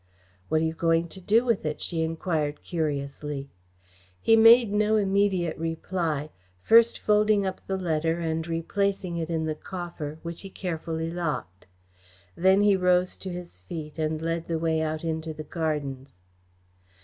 "What are you going to do with it?" she enquired curiously. He made no immediate reply, first folding up the letter and replacing it in the coffer, which he carefully locked. Then he rose to his feet and led the way out into the gardens.